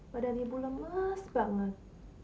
badan ibu lemes banget